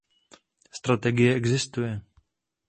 Strategie existuje.